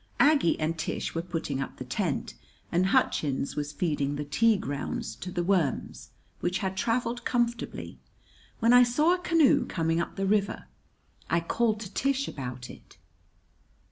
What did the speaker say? Aggie and Tish were putting up the tent, and Hutchins was feeding the tea grounds to the worms, which had traveled comfortably, when I saw a canoe coming up the river. I called to Tish about it.